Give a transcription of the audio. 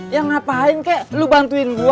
jangan lukain aku